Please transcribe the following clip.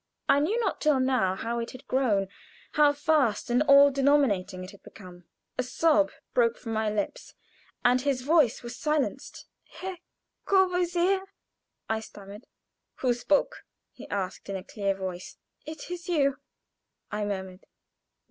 I knew not till now how it had grown how fast and all denominating it had become. A sob broke from my lips, and his voice was silenced. "Herr Courvoisier!" I stammered. "Who spoke?" he asked in a clear voice. "It is you!" I murmured.